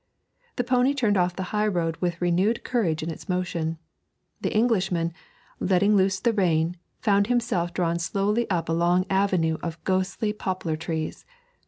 The pony turned off the high road with renewed courage in its motion; the Englishman, letting loose the rein, found himself drawn slowly up a long avenue of the ghostly poplar trees.